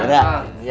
ya udah bang